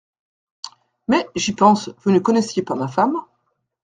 Mais, j’y pense, vous ne connaissiez pas ma femme…